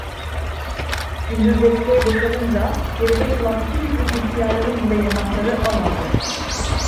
Gündüzleri köy boşalınca geride kalan iki büklüm ihtiyarların bile yanakları al aldı.